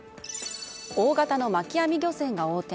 大型の巻き網漁船が横転。